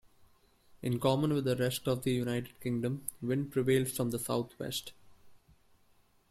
In common with the rest of the United Kingdom, wind prevails from the south-west.